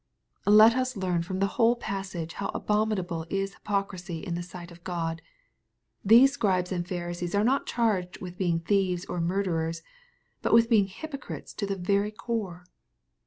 Let us learn from the whole passage how abominable is hypocris y in the sight of God. These Scribes and Pharisees are not charged with being thieves or murder ers, but with being hypocrites to the very core.